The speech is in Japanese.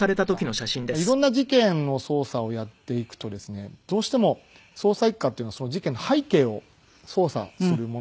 色んな事件の捜査をやっていくとですねどうしても捜査一課っていうのは事件の背景を捜査するものなので。